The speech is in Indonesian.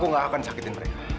kulins itu diajar sama mereka